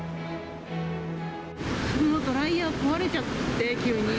きのう、ドライヤー壊れちゃって、急に。